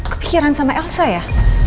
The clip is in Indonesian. kepikiran sama elsa ya